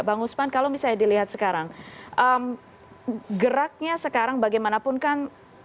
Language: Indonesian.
bang usman kalau misalnya dilihat sekarang geraknya sekarang bagaimanapun kan